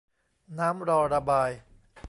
น้ำรอระบาย